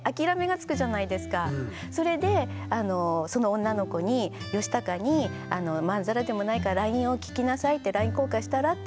それでその女の子にヨシタカにまんざらでもないからＬＩＮＥを聞きなさいってＬＩＮＥ交換したらって言ったんですよ。